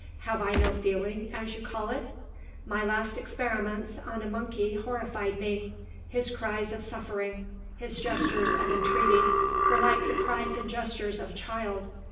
Have I no feeling, as you call it? My last experiments on a monkey horrified me. His cries of suffering, his gestures of entreaty, were like the cries and gestures of a child.